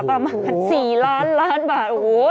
ประมาณ๔ล้านล้านบาทโอ้โห